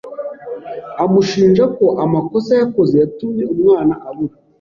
amushinja ko amakosa yakoze yatumye umwana abura